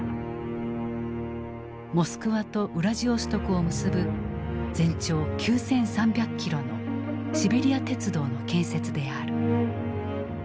モスクワとウラジオストクを結ぶ全長９，３００キロのシベリア鉄道の建設である。